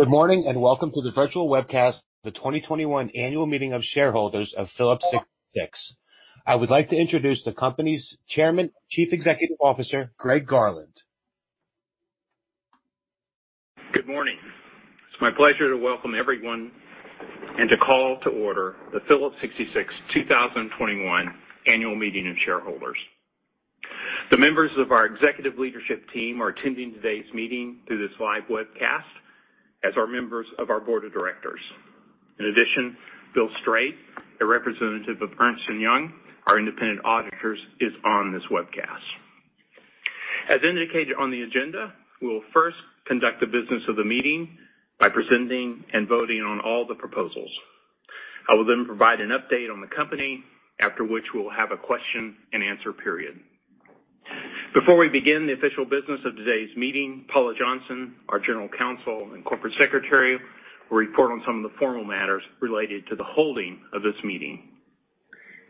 Good morning. Welcome to the virtual webcast of the 2021 Annual Meeting of Shareholders of Phillips 66. I would like to introduce the company's Chairman Chief Executive Officer, Greg Garland. Good morning. It's my pleasure to welcome everyone and to call to order the Phillips 66 2021 Annual Meeting of Shareholders. The members of our executive leadership team are attending today's meeting through this live webcast as are members of our Board of Directors. In addition, Bill Strait, a representative of Ernst & Young, our independent auditors, is on this webcast. As indicated on the agenda, we will first conduct the business of the meeting by presenting and voting on all the proposals. I will then provide an update on the company, after which we will have a question and answer period. Before we begin the official business of today's meeting, Paula Johnson, our General Counsel and Corporate Secretary, will report on some of the formal matters related to the holding of this meeting.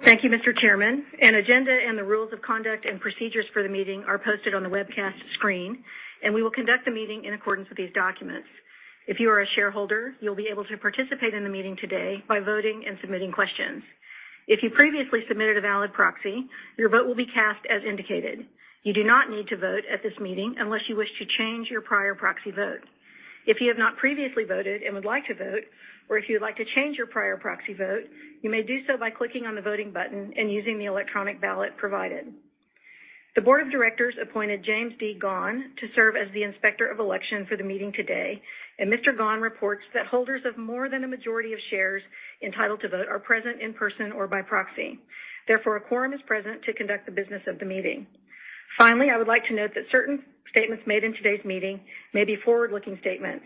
Thank you, Mr. Chairman. An agenda and the rules of conduct and procedures for the meeting are posted on the webcast screen, and we will conduct the meeting in accordance with these documents. If you are a shareholder, you will be able to participate in the meeting today by voting and submitting questions. If you previously submitted a valid proxy, your vote will be cast as indicated. You do not need to vote at this meeting unless you wish to change your prior proxy vote. If you have not previously voted and would like to vote, or if you would like to change your prior proxy vote, you may do so by clicking on the Voting button and using the electronic ballot provided. The Board of Directors appointed James D. Gaughan to serve as the Inspector of Election for the meeting today. Mr. Gaughan reports that holders of more than a majority of shares entitled to vote are present in person or by proxy. Therefore, a quorum is present to conduct the business of the meeting. Finally, I would like to note that certain statements made in today's meeting may be forward-looking statements.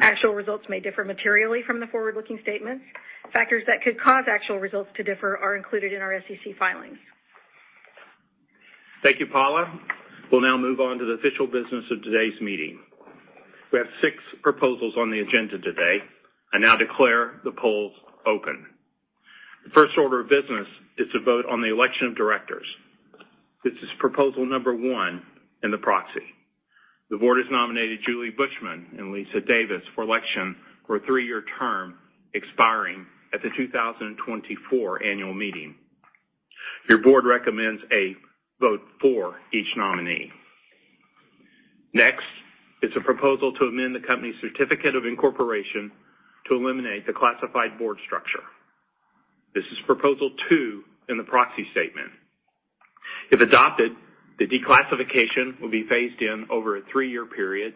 Actual results may differ materially from the forward-looking statements. Factors that could cause actual results to differ are included in our SEC filings. Thank you, Paula. We'll now move on to the official business of today's meeting. We have six proposals on the agenda today. I now declare the polls open. The first order of business is to vote on the election of Directors. This is proposal number one in the proxy. The Board has nominated Julie Bushman and Lisa Davis for election for a three-year term expiring at the 2024 Annual Meeting. Your Board recommends a vote for each nominee. Next is a proposal to amend the company's certificate of incorporation to eliminate the classified board structure. This is Proposal 2 in the proxy statement. If adopted, the declassification will be phased in over a three-year period,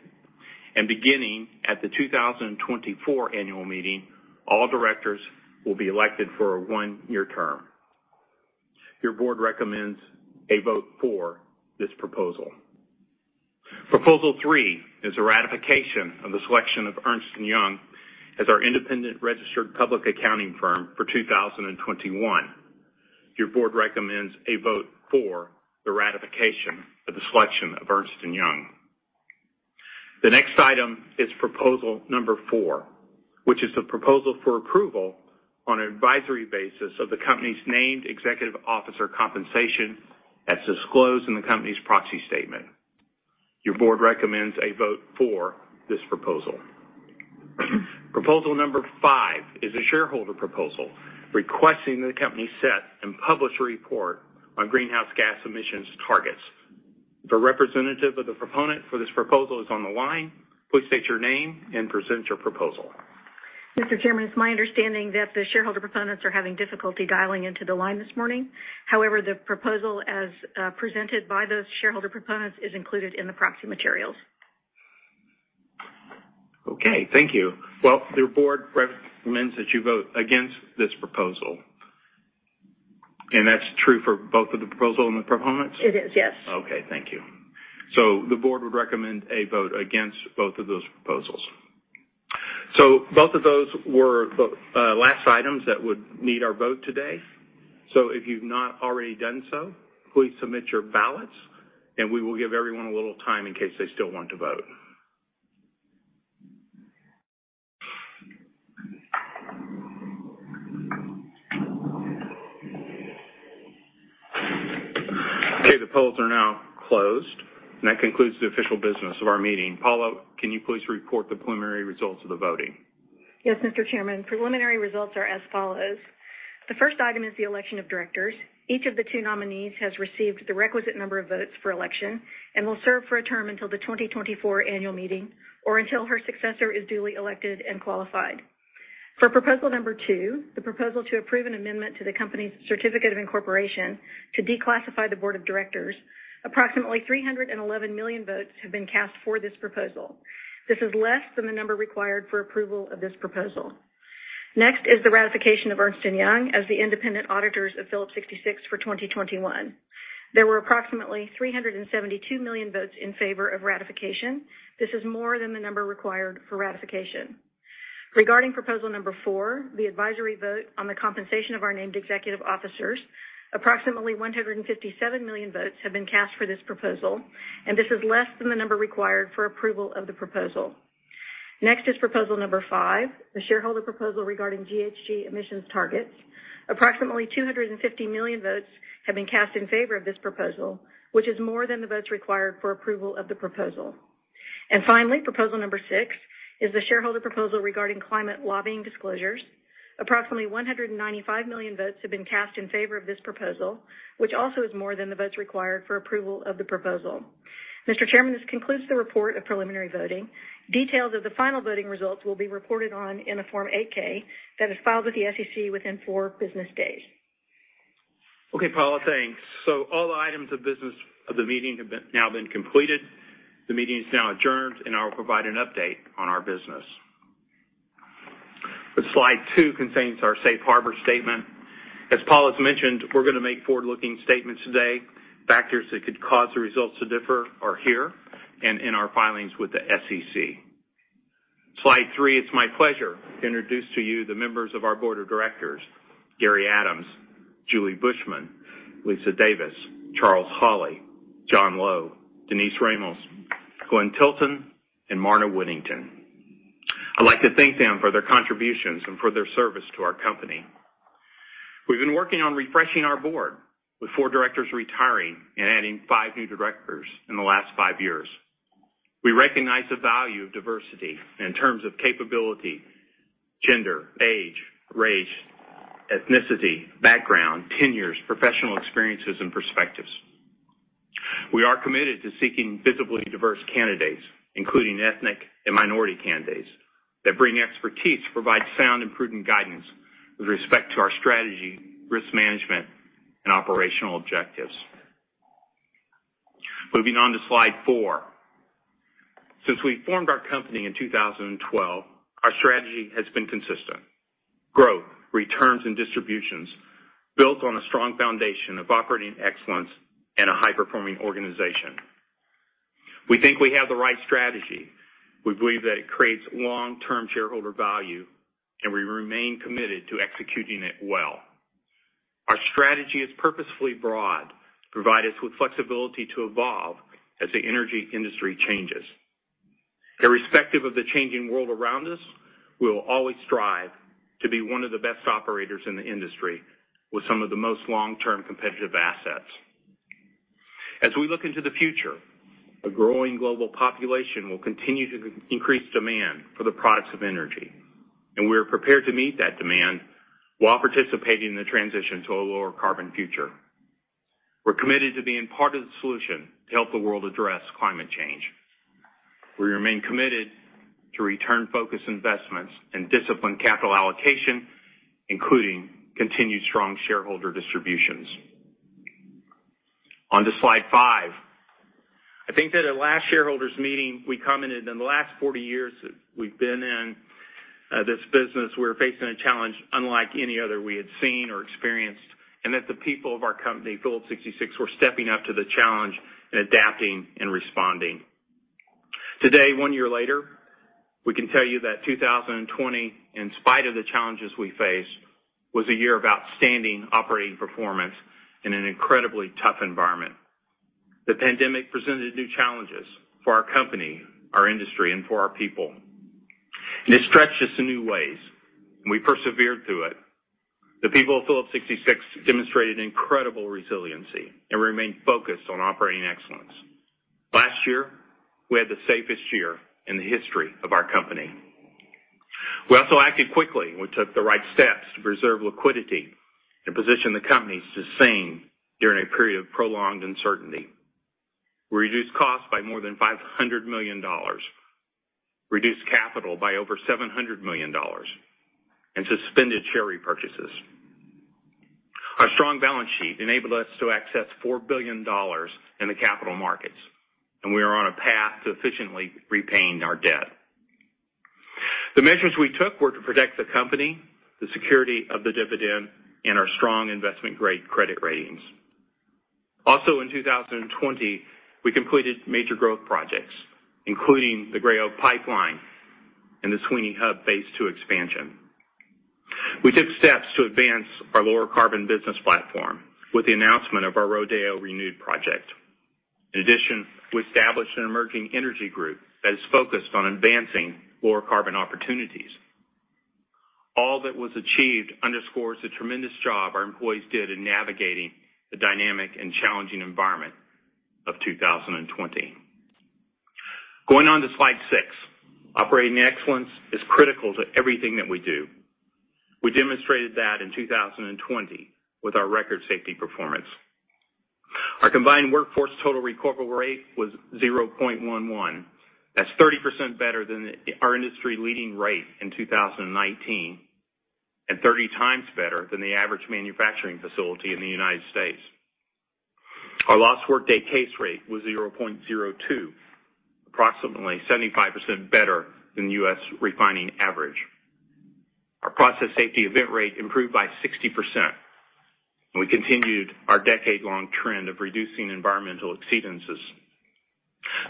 and beginning at the 2024 Annual Meeting, all Directors will be elected for a one-year term. Your board recommends a vote for this proposal. Proposal 3 is a ratification of the selection of Ernst & Young as our independent registered public accounting firm for 2021. Your Board recommends a vote for the ratification of the selection of Ernst & Young. The next item is Proposal number 4, which is the proposal for approval on an advisory basis of the company's named executive officer compensation as disclosed in the company's proxy statement. Your board recommends a vote for this proposal. Proposal number 5 is a shareholder proposal requesting the company set and publish a report on greenhouse gas emissions targets. If a representative of the proponent for this proposal is on the line, please state your name and present your proposal. Mr. Chairman, it's my understanding that the shareholder proponents are having difficulty dialing into the line this morning. However, the proposal, as presented by those shareholder proponents, is included in the proxy materials. Okay, thank you. The Board recommends that you vote against this proposal, and that's true for both of the proposal and the proponents? It is, yes. Okay. Thank you. The Board would recommend a vote against both of those proposals. Both of those were the last items that would need our vote today. If you've not already done so, please submit your ballots, and we will give everyone a little time in case they still want to vote. Okay, the polls are now closed, and that concludes the official business of our meeting. Paula, can you please report the preliminary results of the voting? Yes, Mr. Chairman. Preliminary results are as follows. The first item is the election of Directors. Each of the two nominees has received the requisite number of votes for election and will serve for a term until the 2024 Annual Meeting or until her successor is duly elected and qualified. For Proposal number 2, the proposal to approve an amendment to the company's certificate of incorporation to declassify the Board of Directors, approximately 311 million votes have been cast for this proposal. This is less than the number required for approval of this proposal. Next is the ratification of Ernst & Young as the independent auditors of Phillips 66 for 2021. There were approximately 372 million votes in favor of ratification. This is more than the number required for ratification. Regarding Proposal number 4, the advisory vote on the compensation of our named Executive Officers, approximately 157 million votes have been cast for this proposal. This is less than the number required for approval of the proposal. Next is Proposal number 5, the shareholder proposal regarding GHG emissions targets. Approximately 250 million votes have been cast in favor of this proposal, which is more than the votes required for approval of the proposal. Finally, proposal number six is the shareholder proposal regarding climate lobbying disclosures. Approximately 195 million votes have been cast in favor of this proposal, which also is more than the votes required for approval of the proposal. Mr. Chairman, this concludes the report of preliminary voting. Details of the final voting results will be reported on in a Form 8-K that is filed with the SEC within four business days. Okay, Paula, thanks. All items of business of the meeting have now been completed. The meeting is now adjourned, and I will provide an update on our business. Slide two contains our safe harbor statement. As Paula's mentioned, we're going to make forward-looking statements today. Factors that could cause the results to differ are here and in our filings with the SEC. Slide three. It's my pleasure to introduce to you the members of our Board of Directors, Gary Adams, Julie Bushman, Lisa Davis, Charles Holley, John Lowe, Denise Ramos, Glenn Tilton, and Marna Whittington. I'd like to thank them for their contributions and for their service to our company. We've been working on refreshing our board, with four Directors retiring and adding five new Directors in the last five years. We recognize the value of diversity in terms of capability, gender, age, race, ethnicity, background, tenures, professional experiences, and perspectives. We are committed to seeking visibly diverse candidates, including ethnic and minority candidates, that bring expertise to provide sound and prudent guidance with respect to our strategy, risk management, and operational objectives. Moving on to slide four. Since we formed our company in 2012, our strategy has been consistent. Growth, returns, and distributions built on a strong foundation of operating excellence and a high-performing organization. We think we have the right strategy. We believe that it creates long-term shareholder value, and we remain committed to executing it well. Our strategy is purposefully broad to provide us with flexibility to evolve as the energy industry changes. Irrespective of the changing world around us, we will always strive to be one of the best operators in the industry with some of the most long-term competitive assets. As we look into the future, a growing global population will continue to increase demand for the products of energy, and we're prepared to meet that demand while participating in the transition to a lower carbon future. We're committed to being part of the solution to help the world address climate change. We remain committed to return-focused investments and disciplined capital allocation, including continued strong shareholder distributions. On to slide five. I think that at last shareholders meeting, we commented in the last 40 years that we've been in this business, we're facing a challenge unlike any other we had seen or experienced, and that the people of our company, Phillips 66, were stepping up to the challenge and adapting and responding. Today, one year later, we can tell you that 2020, in spite of the challenges we faced, was a year of outstanding operating performance in an incredibly tough environment. The pandemic presented new challenges for our company, our industry, and for our people, and it stretched us in new ways, and we persevered through it. The people of Phillips 66 demonstrated incredible resiliency and remained focused on operating excellence. Last year, we had the safest year in the history of our company. We also acted quickly, and we took the right steps to preserve liquidity and position the company's sustain during a period of prolonged uncertainty. We reduced costs by more than $500 million, reduced capital by over $700 million, and suspended share repurchases. Our strong balance sheet enabled us to access $4 billion in the capital markets, and we are on a path to efficiently repaying our debt. The measures we took were to protect the company, the security of the dividend, and our strong investment-grade credit ratings. Also in 2020, we completed major growth projects, including the Gray Oak Pipeline and the Sweeny Hub phase II expansion. We took steps to advance our lower carbon business platform with the announcement of our Rodeo Renewed project. In addition, we established an Emerging Energy group that is focused on advancing lower carbon opportunities. All that was achieved underscores the tremendous job our employees did in navigating the dynamic and challenging environment of 2020. Going on to slide six. Operating excellence is critical to everything that we do. We demonstrated that in 2020 with our record safety performance. Our combined workforce total recordable rate was 0.11. That's 30% better than our industry-leading rate in 2019 and 30x better than the average manufacturing facility in the U.S. Our lost workday case rate was 0.02, approximately 75% better than the U.S. refining average. Our process safety event rate improved by 60%, and we continued our decade-long trend of reducing environmental exceedances.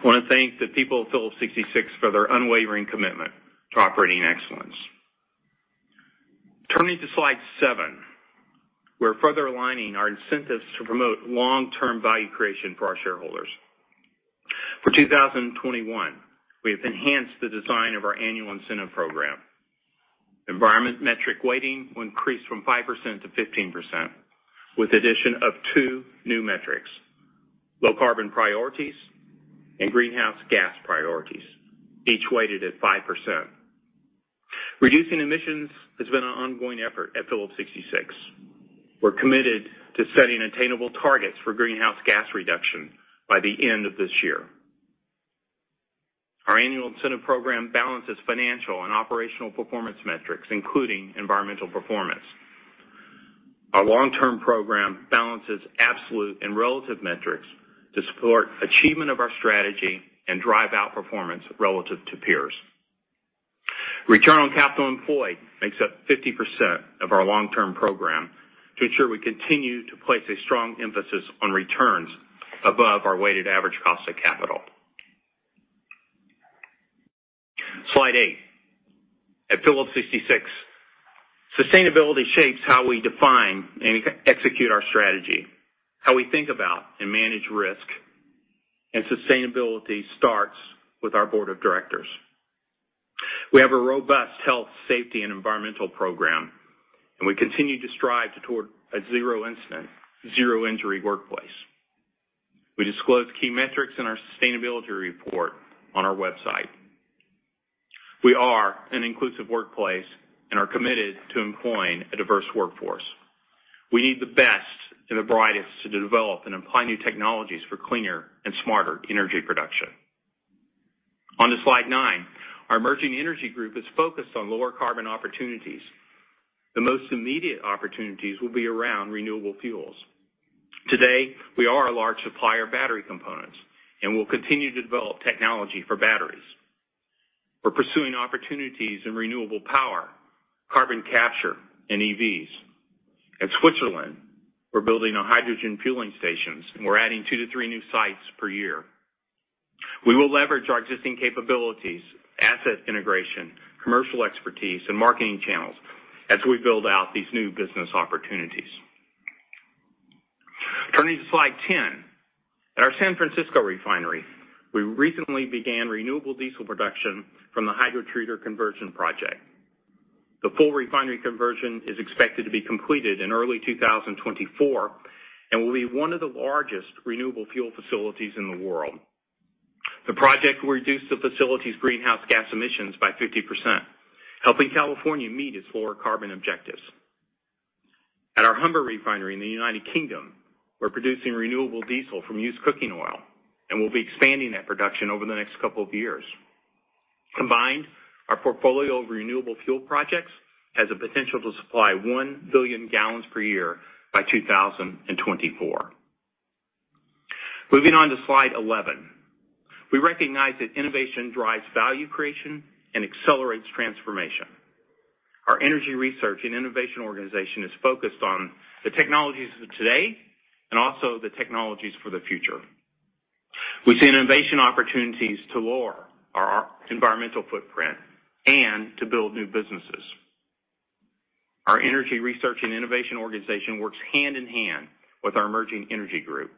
I want to thank the people of Phillips 66 for their unwavering commitment to operating excellence. Turning to slide seven, we're further aligning our incentives to promote long-term value creation for our shareholders. For 2021, we have enhanced the design of our annual incentive program. Environment metric weighting will increase from 5%-15%, with addition of two new metrics: low carbon priorities and greenhouse gas priorities, each weighted at 5%. Reducing emissions has been an ongoing effort at Phillips 66. We're committed to setting attainable targets for greenhouse gas reduction by the end of this year. Our annual incentive program balances financial and operational performance metrics, including environmental performance. Our long-term program balances absolute and relative metrics to support achievement of our strategy and drive out performance relative to peers. Return on capital employed makes up 50% of our long-term program to ensure we continue to place a strong emphasis on returns above our weighted average cost of capital. Slide eight. At Phillips 66, sustainability shapes how we define and execute our strategy, how we think about and manage risk. Sustainability starts with our Board of Directors. We have a robust health, safety, and environmental program. We continue to strive toward a zero incident, zero injury workplace. We disclose key metrics in our sustainability report on our website. We are an inclusive workplace. We are committed to employing a diverse workforce. We need the best and the brightest to develop and apply new technologies for cleaner and smarter energy production. On to slide nine. Our Emerging Energy group is focused on lower carbon opportunities. The most immediate opportunities will be around renewable fuels. Today, we are a large supplier of battery components. We will continue to develop technology for batteries. We're pursuing opportunities in renewable power, carbon capture, and EVs. In Switzerland, we're building on hydrogen fueling stations, and we're adding two to three new sites per year. We will leverage our existing capabilities, asset integration, commercial expertise, and marketing channels as we build out these new business opportunities. Turning to slide 10. At our San Francisco Refinery, we recently began renewable diesel production from the hydrotreater conversion project. The full refinery conversion is expected to be completed in early 2024 and will be one of the largest renewable fuel facilities in the world. The project will reduce the facility's greenhouse gas emissions by 50%, helping California meet its lower carbon objectives. At our Humber Refinery in the United Kingdom, we're producing renewable diesel from used cooking oil, and we'll be expanding that production over the next couple of years. Combined, our portfolio of renewable fuel projects has the potential to supply 1 billion gallons per year by 2024. Moving on to slide 11. We recognize that innovation drives value creation and accelerates transformation. Our Energy Research and Innovation organization is focused on the technologies of today and also the technologies for the future. We see innovation opportunities to lower our environmental footprint and to build new businesses. Our Energy Research and Innovation organization works hand-in-hand with our Emerging Energy group.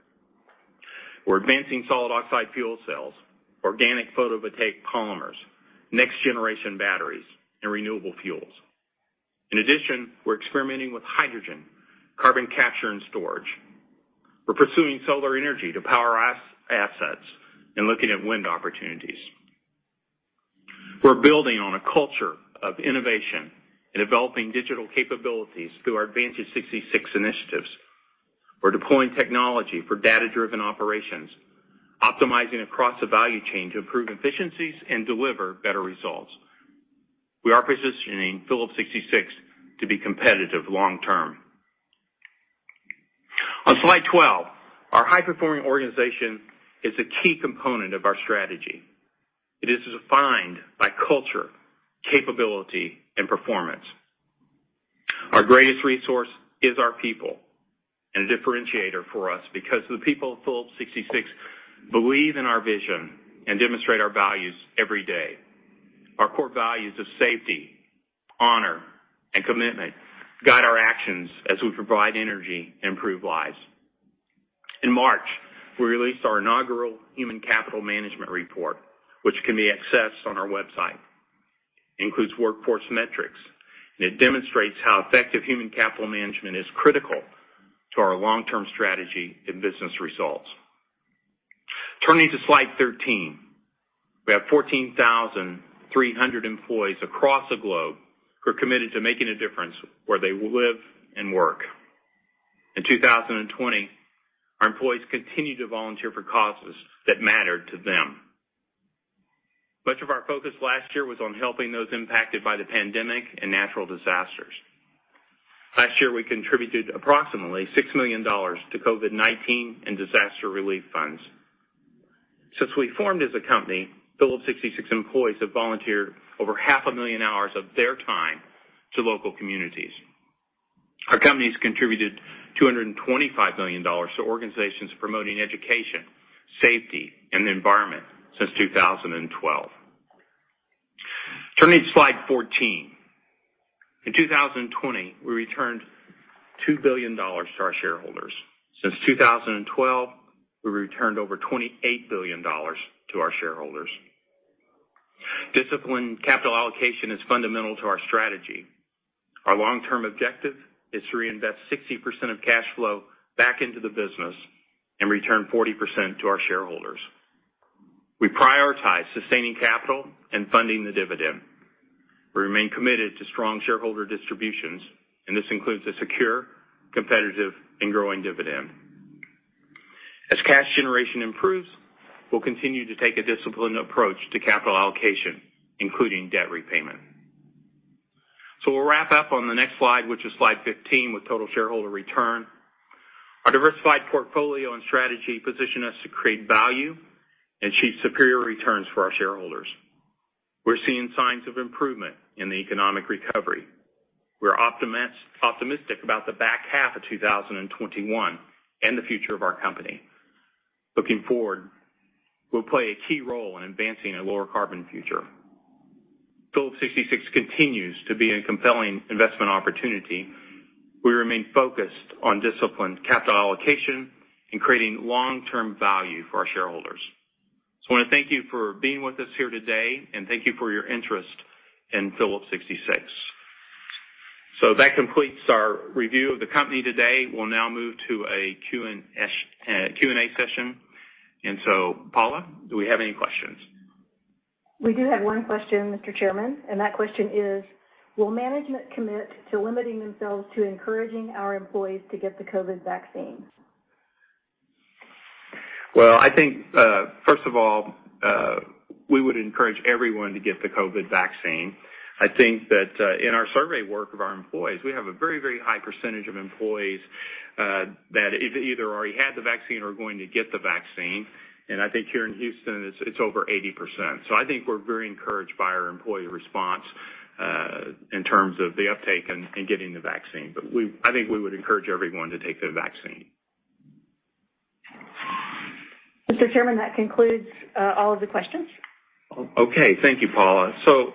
We're advancing solid oxide fuel cells, organic photovoltaic polymers, next generation batteries, and renewable fuels. In addition, we're experimenting with hydrogen, carbon capture and storage. We're pursuing solar energy to power our assets and looking at wind opportunities. We're building on a culture of innovation and developing digital capabilities through our Advantage 66 initiatives. We're deploying technology for data-driven operations, optimizing across the value chain to improve efficiencies and deliver better results. We are positioning Phillips 66 to be competitive long term. On slide 12, our high-performing organization is a key component of our strategy. It is defined by culture, capability, and performance. Our greatest resource is our people and a differentiator for us because the people of Phillips 66 believe in our vision and demonstrate our values every day. Our core values of safety, honor, and commitment guide our actions as we provide energy and improve lives. In March, we released our inaugural Human Capital Management Report, which can be accessed on our website. It includes workforce metrics. It demonstrates how effective human capital management is critical to our long-term strategy and business results. Turning to slide 13. We have 14,300 employees across the globe who are committed to making a difference where they live and work. In 2020, our employees continued to volunteer for causes that mattered to them. Much of our focus last year was on helping those impacted by the pandemic and natural disasters. Last year, we contributed approximately $6 million to COVID-19 and Disaster Relief Funds. Since we formed as a company, Phillips 66 employees have volunteered over 500,000 hours of their time to local communities. Our company's contributed $225 million to organizations promoting education, safety, and the environment since 2012. Turning to slide 14. In 2020, we returned $2 billion to our shareholders. Since 2012, we returned over $28 billion to our shareholders. Disciplined capital allocation is fundamental to our strategy. Our long-term objective is to reinvest 60% of cash flow back into the business and return 40% to our shareholders. We prioritize sustaining capital and funding the dividend. We remain committed to strong shareholder distributions, and this includes a secure, competitive, and growing dividend. As cash generation improves, we'll continue to take a disciplined approach to capital allocation, including debt repayment. We'll wrap up on the next slide, which is slide 15, with total shareholder return. Our diversified portfolio and strategy position us to create value and achieve superior returns for our shareholders. We're seeing signs of improvement in the economic recovery. We're optimistic about the back half of 2021 and the future of our company. Looking forward, we'll play a key role in advancing a lower carbon future. Phillips 66 continues to be a compelling investment opportunity. We remain focused on disciplined capital allocation and creating long-term value for our shareholders. I want to thank you for being with us here today, and thank you for your interest in Phillips 66. That completes our review of the company today. We'll now move to a Q&A session. Paula, do we have any questions? We do have one question, Mr. Chairman, and that question is: will management commit to limiting themselves to encouraging our employees to get the COVID vaccines? I think, first of all, we would encourage everyone to get the COVID vaccine. I think that in our survey work of our employees, we have a very high percentage of employees that either already had the vaccine or are going to get the vaccine. I think here in Houston, it's over 80%. I think we're very encouraged by our employee response in terms of the uptake in getting the vaccine. I think we would encourage everyone to take the vaccine. Mr. Chairman, that concludes all of the questions. Okay. Thank you, Paula.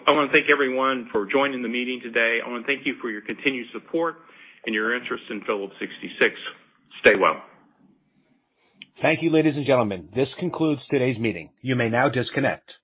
I want to thank everyone for joining the meeting today. I want to thank you for your continued support and your interest in Phillips 66. Stay well. Thank you, ladies and gentlemen. This concludes today's meeting. You may now disconnect.